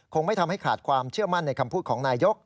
ไม่ทำให้ขาดความเชื่อมั่นในคำพูดของนายก